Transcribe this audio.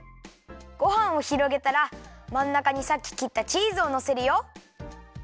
ごはんをひろげたらまんなかにさっききったチーズをのせるよ。